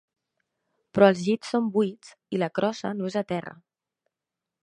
Però els llits són buits i la crossa no és a terra.